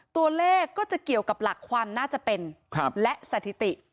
ตัวเลขก็จะเกี่ยวกับหลักความน่าจะเป็นและสถิติ